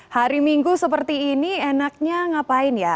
hari minggu seperti ini enaknya ngapain ya